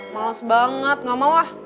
males banget ga mau ah